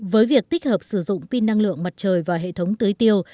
với việc tích hợp sử dụng pin năng lượng mặt trời vào hệ thống tưới tiêu